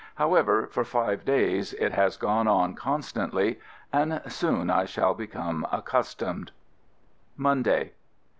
However, for five days it has gone on FIELD SERVICE 19 constantly and soon I shall become ac customed. Monday.